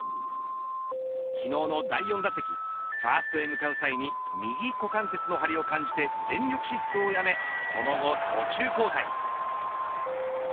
昨日の第４打席ファーストへ向かう際に右股関節の張りを感じて全力疾走をやめその後、途中交代。